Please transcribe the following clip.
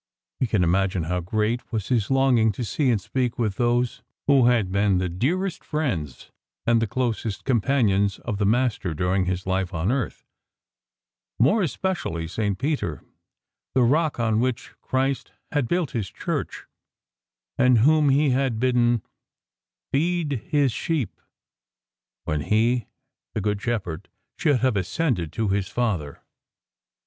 We can imagine how great was his longing to see and speak with those who had been the dearest friends and the closest companions of the Master during His life on earth, more especially St. Peter, the rock on which Christ had built His Church, and whom He had bidden " feed His sheep " when He, the Good Shepherd, should have ascended to His Father.